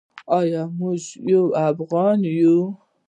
ایا موږ یو افغان یو؟